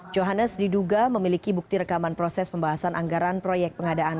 johannes diduga memiliki bukti rekaman proses pembahasan anggaran proyek pengadaan